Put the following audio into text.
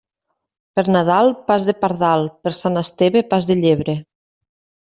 Per Nadal, pas de pardal; per Sant Esteve, pas de llebre.